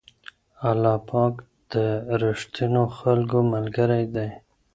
الله پاک د رښتينو خلکو ملګری دی.